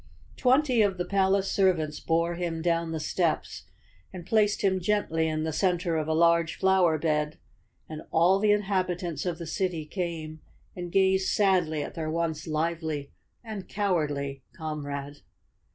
Twenty of the palace servants bore him down the steps and placed him gently in the center of a large flower bed, and all the inhabitants of the city came and gazed sadly at their once lively and cowardly comrade.